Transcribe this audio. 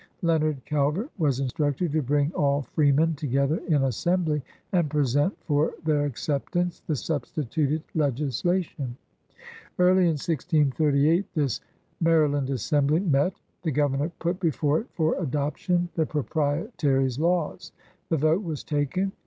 Leonard Calvert was instructed to bring all freemen to gether in Assembly and present for their accept ance the substituted legislation. Early in 1688 this Maryland Assembly met. The Grovemor put before it for adc^tion the Pro prietary *s laws. The vote was taken.